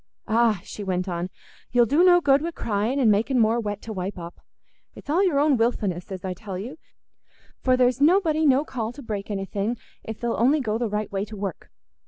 "Ah," she went on, "you'll do no good wi' crying an' making more wet to wipe up. It's all your own wilfulness, as I tell you, for there's nobody no call to break anything if they'll only go the right way to work.